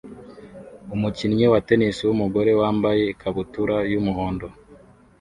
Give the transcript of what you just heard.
umukinyi wa tennis wumugore wambaye ikabutura yumuhondo